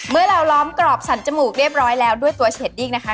เมื่อเราล้อมกรอบสันจมูกเรียบร้อยแล้วด้วยตัวเชดดิ้งนะคะ